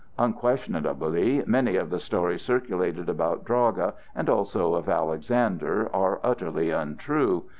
Unquestionably many of the stories circulated about Draga, and also of Alexander are utterly untrue.